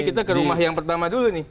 kita ke rumah yang pertama dulu nih